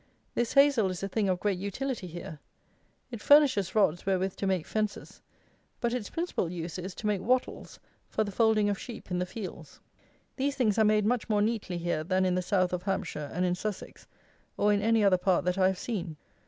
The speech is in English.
This hazle is a thing of great utility here. It furnishes rods wherewith to make fences; but its principal use is, to make wattles for the folding of sheep in the fields. These things are made much more neatly here than in the south of Hampshire and in Sussex, or in any other part that I have seen.